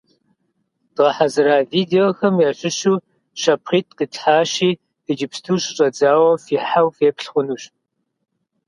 Дгъэхьэзыра видеохэм ящыщу щапхъитӀ къитлъхьащи, иджыпсту щыщӀэдзауэ фихьэу феплъ хъунущ.